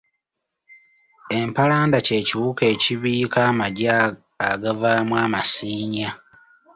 Empalanda kye kiwuka ekibiika amagi agavaamu amasiinya.